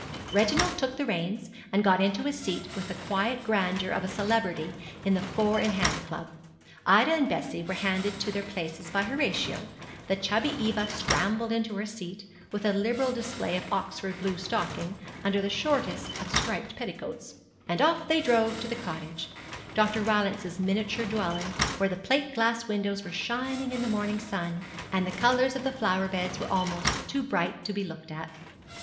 Reginald took the reins, and got into his seat with the quiet grandeur of a celebrity in the four in hand club. Ida and Bessie were handed to their places by Horatio, the chubby Eva scrambled into her seat, with a liberal display of Oxford blue stocking, under the shortest of striped petticoats; and off they drove to the cottage, Dr. Rylance's miniature dwelling, where the plate glass windows were shining in the morning sun, and the colours of the flower beds were almost too bright to be looked at.